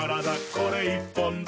これ１本で」